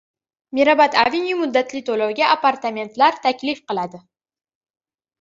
Mirabad Avenue muddatli to‘lovga apartamentlar taklif qiladi